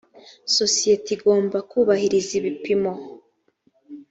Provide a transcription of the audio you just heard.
sosiyete igomba kubahiriza ibipimo